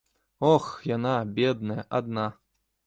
Ох, яна, бедная, адна.